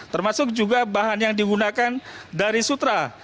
termasuk juga bahan yang digunakan dari sutra